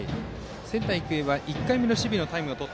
仙台育英は１回目の守備のタイムです。